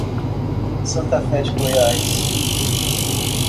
Santa Fé de Goiás